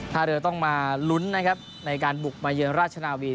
ถ้าเรือต้องมาลุ้นนะครับในการบุกมาเยือนราชนาวี